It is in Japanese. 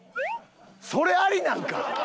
それありなんか？